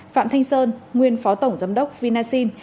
phạm thanh sơn nguyên phó tổng giám đốc vinasin